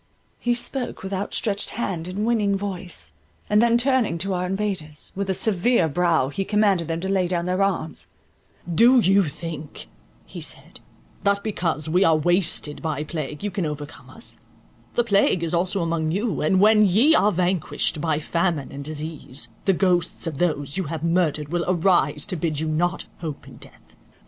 He spoke with outstretched hand and winning voice, and then turning to our invaders, with a severe brow, he commanded them to lay down their arms: "Do you think," he said, "that because we are wasted by plague, you can overcome us; the plague is also among you, and when ye are vanquished by famine and disease, the ghosts of those you have murdered will arise to bid you not hope in death.